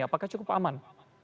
apakah cukup aman